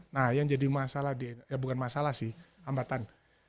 nah yang jadi masalah bukan masalah sih hambatan